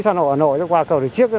ở hà nội qua cầu thủy chiếc